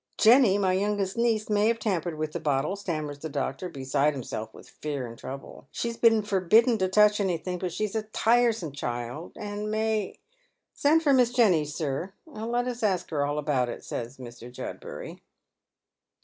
"Jenny, my youngest niece, may have tampered with the bottle," stammers the doctor, beside himself with fear and trouble. " She has been forbidden to touch anything, but she'a a tiresome child, and may "" Send for Miss Jenny, sir, and let us ask her all about it," says Mr. Judbury.